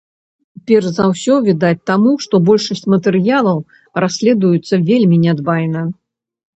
Перш за ўсё, відаць, таму, што большасць матэрыялаў расследуецца вельмі нядбайна.